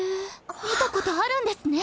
見たことあるんですね